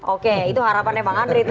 oke itu harapannya bang andre